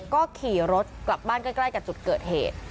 ก็ขี่รถกลับบ้านใกล้กับจุดเกิดเหตุ